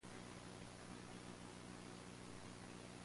I’m a picky engineer